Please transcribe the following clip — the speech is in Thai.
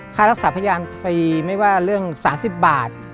ค่ารักษาพยานฟรีไม่ว่าเรื่อง๓๐บาท